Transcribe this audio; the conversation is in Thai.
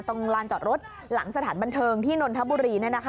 ลานจอดรถหลังสถานบันเทิงที่นนทบุรี